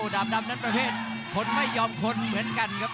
ดาบดำนั้นประเภทคนไม่ยอมคนเหมือนกันครับ